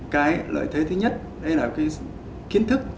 cái lợi thế thứ nhất đây là cái kiến thức